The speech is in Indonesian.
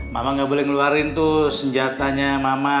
mama gak boleh ngeluarin tuh senjatanya mama